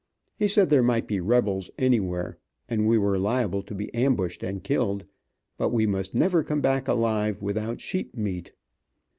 He said there might be rebels anywhere, and we were liable to be ambushed and killed, but we must never come back alive without sheep meat.